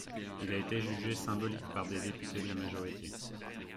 Il a été jugé symbolique par des députés de la majorité.